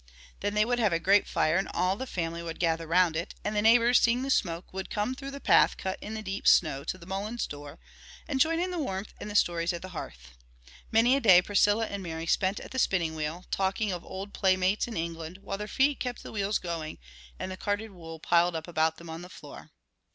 Then they would have a great fire and all the family would gather round it, and neighbors, seeing the smoke, would come through the path cut in the deep snow to the Mullins door and join in the warmth and the stories at the hearth. Many a day Priscilla and Mary spent at the spinning wheel, talking of old play mates in England while their feet kept the wheels going and the carded wool piled up about them on the floor.